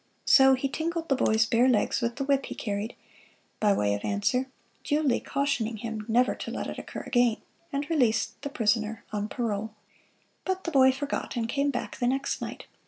So he tingled the boy's bare legs with the whip he carried, by way of answer, duly cautioning him never to let it occur again, and released the prisoner on parole. But the boy forgot and came back the next night.